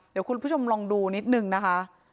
เดี๋ยวคุณผู้ชมลองดูนิดนึงนะคะ